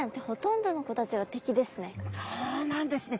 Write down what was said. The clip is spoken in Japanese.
そうなんですね。